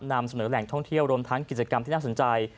นำเสนอแหล่งท่องเที่ยวรวมทั้งกิจกรรมที่น่าสนใจ